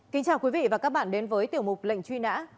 kính chào quý vị và các bạn đến với tiểu mục lệnh truy nã